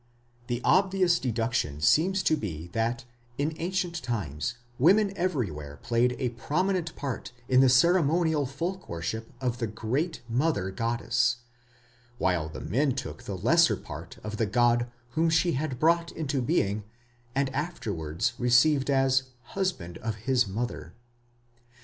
The obvious deduction seems to be that in ancient times women everywhere played a prominent part in the ceremonial folk worship of the Great Mother goddess, while the men took the lesser part of the god whom she had brought into being and afterwards received as "husband of his mother".